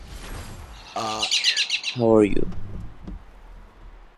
The smaller one is the one originally in Fengshan Temple.